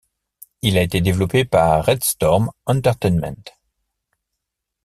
Il a été développé par Red Storm Entertainment.